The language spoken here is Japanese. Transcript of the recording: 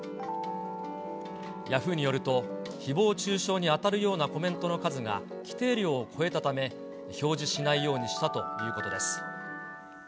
ヤフーによると、ひぼう中傷に当たるようなコメントの数が、規定量を超えたため、表示しないようにしたということです。